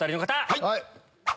はい！